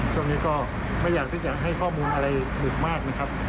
ช่วงนี้ก็ไม่อยากที่จะให้ข้อมูลอะไรหลุดมากนะครับ